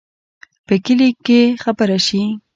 په کلي کې چې خبره شي،